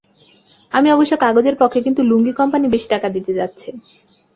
আমি অবশ্য কাগজের পক্ষে কিন্তু লুঙ্গি কোম্পানি বেশি টাকা দিতে যাচ্ছে।